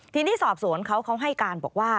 ทีนี้สอบสวนเขาเขาให้การบอกว่า